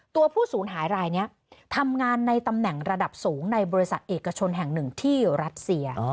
ผู้สูญหายรายนี้ทำงานในตำแหน่งระดับสูงในบริษัทเอกชนแห่งหนึ่งที่รัสเซีย